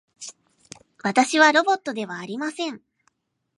私はロボットではありません